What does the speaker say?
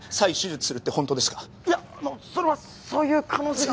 いやあのそれはそういう可能性が。